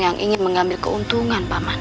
yang ingin mengambil keuntungan paman